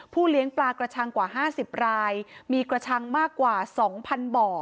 เลี้ยงปลากระชังกว่า๕๐รายมีกระชังมากกว่า๒๐๐บ่อ